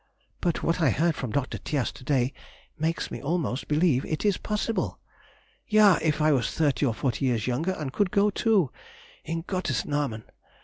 but what I heard from Dr. Tias to day makes me almost believe it possible. Ja! if I was thirty or forty years younger, and could go too? in Gottes nahmen!